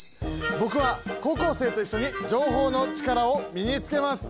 僕は高校生と一緒に情報のチカラを身につけます。